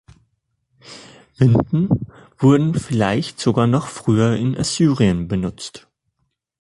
Winden wurden vielleicht sogar noch früher in Assyrien benutzt.